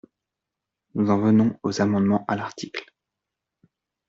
Nous en venons aux amendements à l’article.